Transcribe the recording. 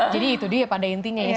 jadi itu dia pada intinya ya